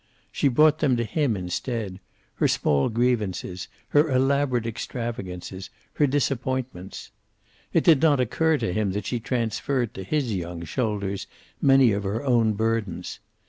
She brought them to him instead, her small grievances, her elaborate extravagances, her disappointments. It did not occur to him that she transferred to his young shoulders many of her own burdens.